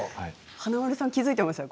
華丸さん気が付いていましたか？